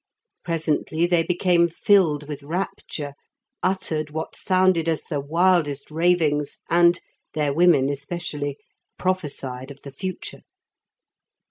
Presently they became filled with rapture, uttered what sounded as the wildest ravings, and (their women especially) prophesied of the future.